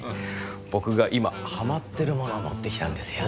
僕が今ハマってるものを持ってきたんですよ。